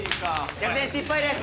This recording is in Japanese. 逆転失敗です。